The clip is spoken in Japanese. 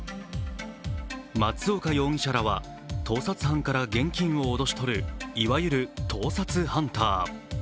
松岡容疑者らは盗撮犯から現金を脅し取る、いわゆる盗撮ハンター。